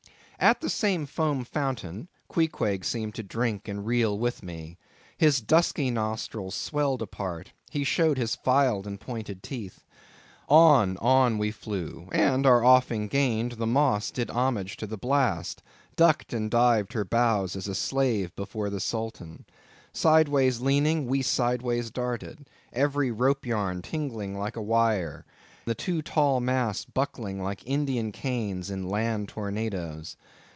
At the same foam fountain, Queequeg seemed to drink and reel with me. His dusky nostrils swelled apart; he showed his filed and pointed teeth. On, on we flew; and our offing gained, the Moss did homage to the blast; ducked and dived her bows as a slave before the Sultan. Sideways leaning, we sideways darted; every ropeyarn tingling like a wire; the two tall masts buckling like Indian canes in land tornadoes.